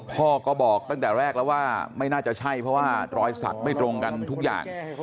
พ่อก็บอกตั้งแต่แรกแล้วว่าไม่น่าจะใช่เพราะว่ารอยสักไม่ตรงกันทุกอย่าง